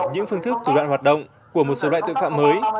những phương thức tủ đoạn hoạt động của một số loại tuyên phạm mới